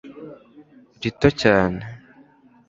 rito cyane